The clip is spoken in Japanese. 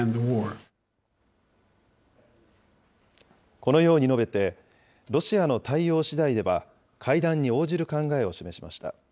このように述べて、ロシアの対応しだいでは、会談に応じる考えを示しました。